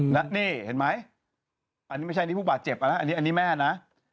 นี่เห็นไหมอันนี้ไม่ใช่นี่ผู้บาดเจ็บนะอันนี้แม่นะ